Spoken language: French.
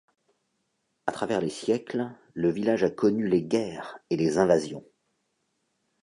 À travers les siècles, le village a connu les guerres et les invasions.